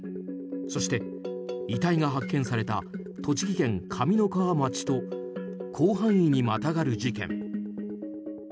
そして、遺体が発見された栃木県上三川町と広範囲にまたがる事件。